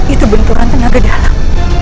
itu benturan tenaga dalam